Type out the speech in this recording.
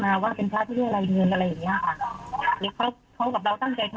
แล้วท่านก็ไม่น่าจะทำถ้าท่านเป็นพระจริงก็อย่างนี้ค่ะ